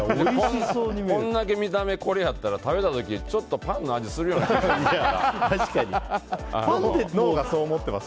こんだけ見た目、これやったら食べた時にちょっとパンの味するような感じするやろうな。